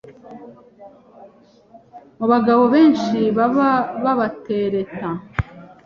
mu bagabo benshi baba babatereta